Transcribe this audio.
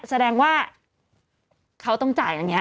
แสดงว่าเขาต้องจ่ายตรงนี้